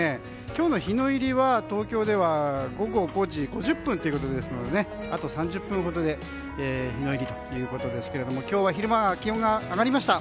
今日の日の入りは東京では午後５時５０分ということですのであと３０分ほどで日の入りということですけども今日は昼間は気温が上がりました。